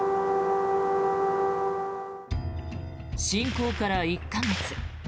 侵攻から１か月。